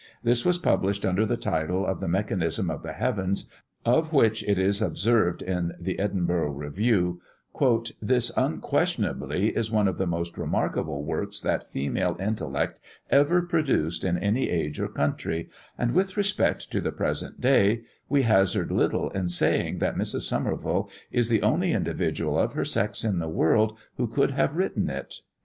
This was published under the title of the Mechanism of the Heavens, of which, it is observed, in the Edinburgh Review, "this, unquestionably, is one of the most remarkable works that female intellect ever produced in any age or country; and with respect to the present day, we hazard little in saying that Mrs. Somerville is the only individual of her sex in the world who could have written it."